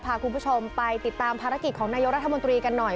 พาคุณผู้ชมไปติดตามภารกิจของนายกรัฐมนตรีกันหน่อย